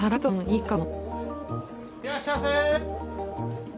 いらっしゃいませ！